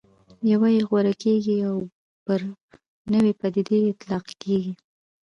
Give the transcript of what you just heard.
یوه یې غوره کېږي او پر نوې پدیدې اطلاق کېږي.